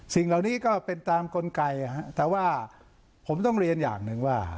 สิ่งเหล่านี้ก็เป็นตามกลไกแต่ว่าผมต้องเรียนอย่างหนึ่งว่า